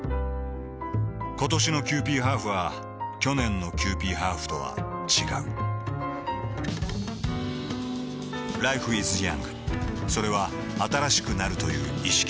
ことしのキユーピーハーフは去年のキユーピーハーフとは違うＬｉｆｅｉｓｙｏｕｎｇ．それは新しくなるという意識